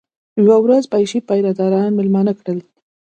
یوه ورځ بیشپ پیره داران مېلمانه کړل.